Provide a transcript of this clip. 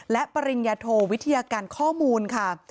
และปริญญาโทวิทยาการข้อมูลค่ะ